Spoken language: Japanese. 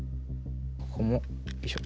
ここもよいしょ。